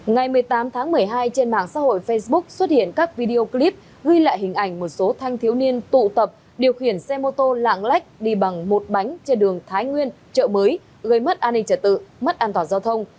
ngày một mươi tám tháng một mươi hai trên mạng xã hội facebook xuất hiện các video clip ghi lại hình ảnh một số thanh thiếu niên tụ tập điều khiển xe mô tô lạng lách đi bằng một bánh trên đường thái nguyên chợ mới gây mất an ninh trật tự mất an toàn giao thông